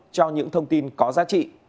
cho những thông tin có giá trị